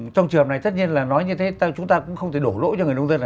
trong trường hợp này tất nhiên là nói như thế chúng ta cũng không thể đổ lỗi cho người nông dân